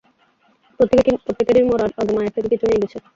প্রত্যেকেই মরার আগে মায়ের থেকে কিছু নিয়ে গেছে।